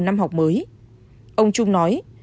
năm học mới ông trung nói